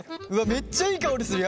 めっちゃいい香りする！